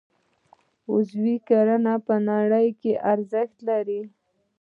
عضوي کرنه په نړۍ کې ارزښت لري